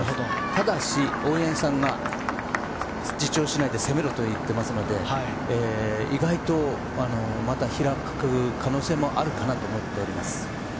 ただ、大八木さんが自重しないで攻めろと言っていますので意外とまた開く可能性もあるかなと思っています。